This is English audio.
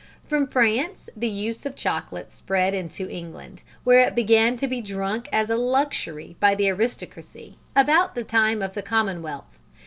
From France the use of chocolate spread into England, where it began to be drunk as a luxury by the aristocracy about the time of the Commonwealth.